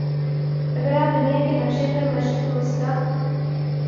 اگر آپ دنیا کے نقشے پر مشرق وسطیٰ